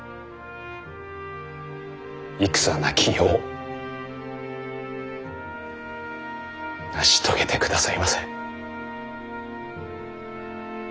戦なき世を成し遂げてくださいませ。